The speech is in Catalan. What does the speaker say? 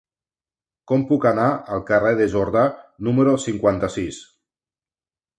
Com puc anar al carrer de Jordà número cinquanta-sis?